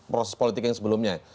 proses politik yang sebelumnya